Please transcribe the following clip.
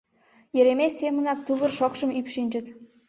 Еремей семынак тувыр шокшым ӱпшынчыт.